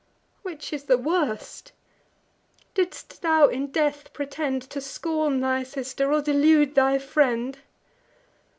Which is the worst? Didst thou in death pretend To scorn thy sister, or delude thy friend?